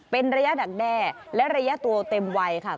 เป็นระยะดักแด้และระยะตัวเต็มวัยค่ะ